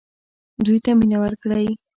دوی ته مینه ورکړئ